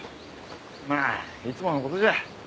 「まあいつものことじゃ」